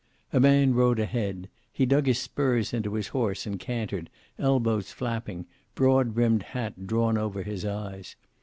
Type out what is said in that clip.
A man rode ahead. He dug his spurs into his horse and cantered, elbows flapping, broad brimmed hat drawn over his eyes.